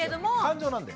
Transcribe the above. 感情なんで。